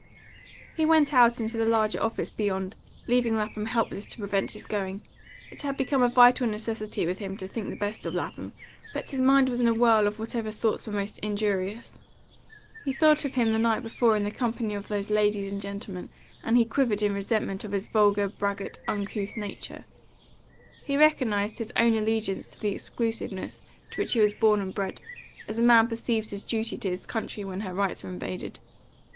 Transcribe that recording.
He went out into the larger office beyond, leaving Lapham helpless to prevent his going. It had become a vital necessity with him to think the best of Lapham, but his mind was in a whirl of whatever thoughts were most injurious. He thought of him the night before in the company of those ladies and gentlemen, and he quivered in resentment of his vulgar, braggart, uncouth nature. He recognised his own allegiance to the exclusiveness to which he was born and bred, as a man perceives his duty to his country when her rights are invaded.